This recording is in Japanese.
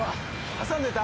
挟んでた！